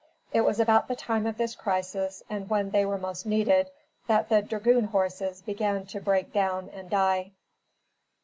It was about the time of this crisis, and when they were most needed, that the dragoon horses began to break down and die.